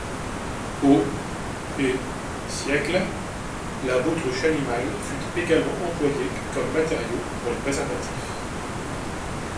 Aux et siècles, la baudruche animale fut également employée comme matériau pour les préservatifs.